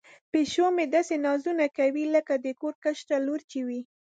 پیشو مې داسې نازونه کوي لکه د کور کشره لور چې وي.